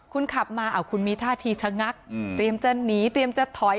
คุณขับมาคุณมีท่าทีชะงักเตรียมจะหนีเตรียมจะถอย